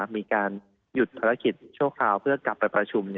มีการหยุดเอาข้อค่าเพื่อกลับมาประชุม